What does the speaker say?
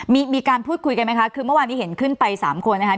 มีการพูดคุยกันไหมคะคือเมื่อวานนี้เห็นขึ้นไปสามคนนะคะ